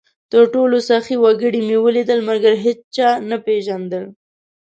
تر ټولو سخي وګړي مې ولیدل؛ مګر هېچا نه پېژندل،